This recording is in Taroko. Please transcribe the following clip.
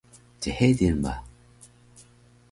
chedil ba